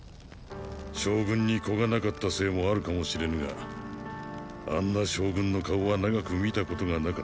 将軍に子がなかったせいもあるかもしれぬがあんな将軍の顔は長く見たことがなかった。